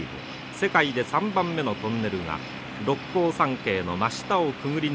世界で３番目のトンネルが六甲山系の真下をくぐり抜けることになったのです。